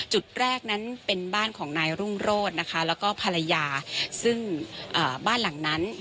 จุดแรกนั้นเป็นบ้านของนายรุ่งโรธนะคะแล้วก็ภรรยาซึ่งบ้านหลังนั้น